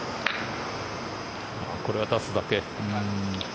これは出すだけ。